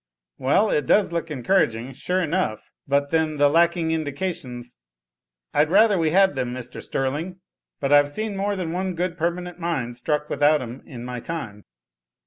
"Well, it does look encouraging, sure enough but then the lacking indications " "I'd rather we had them, Mr. Sterling, but I've seen more than one good permanent mine struck without 'em in my time."